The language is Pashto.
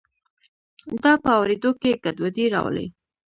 دا په اوریدو کې ګډوډي راولي.